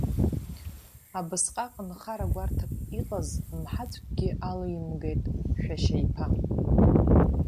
Абасҟак нхара гәарҭак иҟаз мҳаҵәкгьы алимгеит шәашьа иԥа.